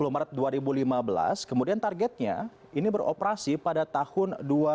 dua puluh maret dua ribu lima belas kemudian targetnya ini beroperasi pada tahun dua ribu delapan belas